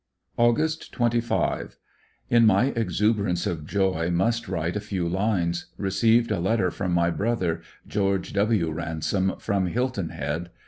Aug. 25. — In my exuberance of joy must write a few Imes. Received a letter from my brother, George W. Ransom, from Hil ton Head.